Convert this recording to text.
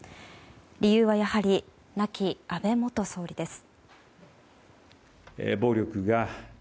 理由は、やはり亡き安倍元総理です。